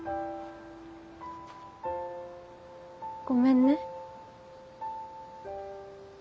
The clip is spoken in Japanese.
ごめんね。